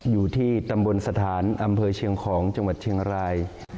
อยู่ที่ตำบลสถานอำเภอเชียงของจังหวัดเชียงราย